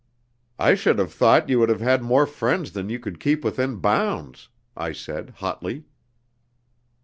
"I should have thought you would have more friends than you could keep within bounds," I said, hotly.